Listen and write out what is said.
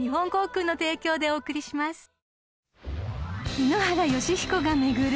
［井ノ原快彦が巡る